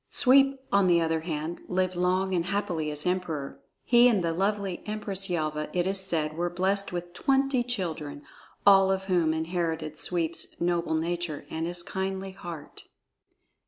Sweep, on the other hand, lived long and happily as Emperor. He and the lovely Empress Yelva, it is said, were blessed with twenty children, all of whom inherited Sweep's noble nature and his kindly heart.